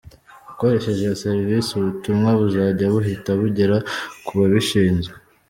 Ukoresheje iyo serivisi ubutumwa buzajya buhita bugera ku babishinzwe.